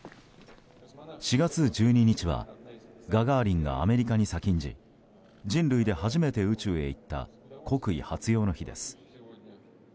４月１２日は、ガガーリンがアメリカに先んじ人類で初めて宇宙へ行った国威発揚の日です。